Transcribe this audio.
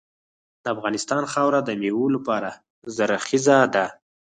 د افغانستان خاوره د میوو لپاره زرخیزه ده.